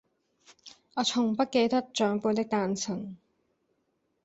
我從不記得長輩的誕辰